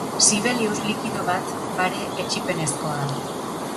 Sibelius likido bat, bare, etsipenezkoa.